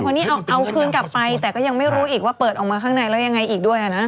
พอนี่เอาคืนกลับไปแต่ก็ยังไม่รู้อีกว่าเปิดออกมาข้างในแล้วยังไงอีกด้วยนะ